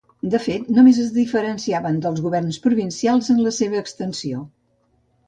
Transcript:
De fet, només es diferenciaven dels governs provincials en la seva extensió.